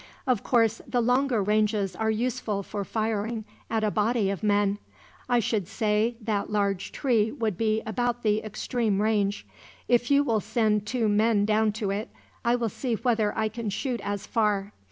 "Of course, the longer ranges are useful for firing at a body of men. I should say that large tree would be about the extreme range. If you will send two men down to it, I will see whether I can shoot as far.